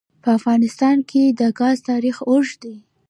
په افغانستان کې د ګاز تاریخ اوږد دی.